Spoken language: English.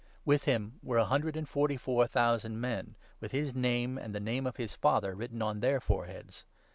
With him were a hundred and forty four thousand men, with his name and the name of his Father written on their foreheads.